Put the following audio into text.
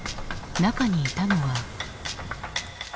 中にいたのは。